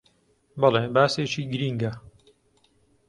بەڵێ، باسێکی گرینگە